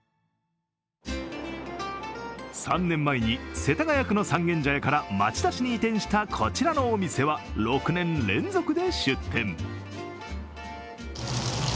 ３年前に世田谷区の三軒茶屋から町田市に移転したこちらのお店は６年連続で出店。